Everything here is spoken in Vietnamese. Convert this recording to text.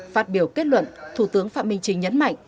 phát biểu kết luận thủ tướng phạm minh chính nhấn mạnh